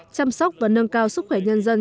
chăm sóc và nâng cao sức khỏe nhân dân